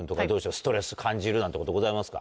ストレス感じるなんてことございますか？